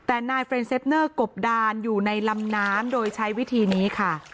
แต่นายเฟรนเซฟเนอร์กบดานอยู่ในลำน้ำโดยใช้วิธีนี้ค่ะ